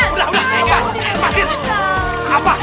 udah udah enggak enggak enggak